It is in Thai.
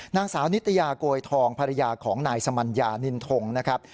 นางสาวนิตยาโกยทองภรรยาของนายสมัญญานินทงนะครับ